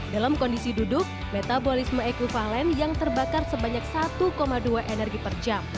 dalam kondisi duduk metabolisme ekvivalen yang terbakar sebanyak satu dua energi per jam